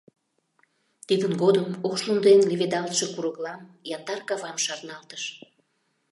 Тидын годым ош лум дене леведалтше курыклам, яндар кавам шарналтыш.